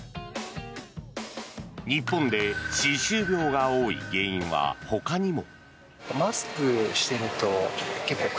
日本で歯周病が多い原因はほかにも。